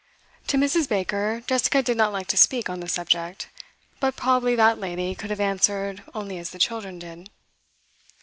To Mrs. Baker, Jessica did not like to speak on the subject, but probably that lady could have answered only as the children did.